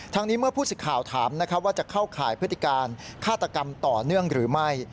นี้เมื่อผู้สิทธิ์ข่าวถามว่าจะเข้าข่ายพฤติการฆาตกรรมต่อเนื่องหรือไม่